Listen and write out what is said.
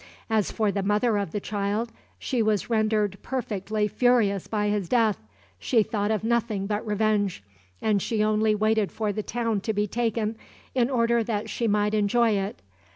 As for the mother of the child, she was rendered perfectly furious by his death. She thought of nothing but revenge, and she only waited for the town to be taken in order that she might enjoy it.